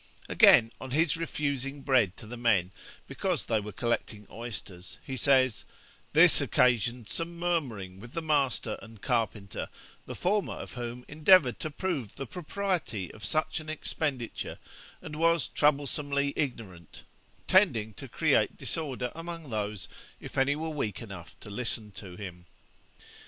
Again, on his refusing bread to the men, because they were collecting oysters, he says, 'this occasioned some murmuring with the master and carpenter, the former of whom endeavoured to prove the propriety of such an expenditure, and was troublesomely ignorant, tending to create disorder among those, if any were weak enough to listen to him.'